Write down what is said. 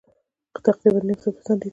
تقريباً نيم ساعت وځنډېدو.